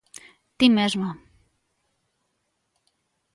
Ti mesma.